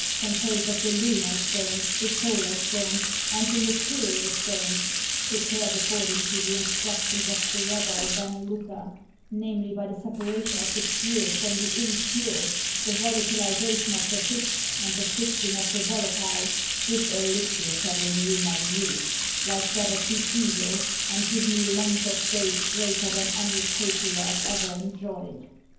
Composed of the lunar stones, the solar stones, and the mercurial stones prepared according to the instructions of the Rabbi Ben Lucca namely, by the separation of the pure from the impure, the volatilisation of the fixed, and the fixing of the volatile this elixir shall renew my youth, like that of the eagle, and give me length of days greater than any patriarch ever enjoyed."